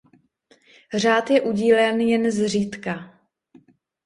Řád je udílen jen zřídka.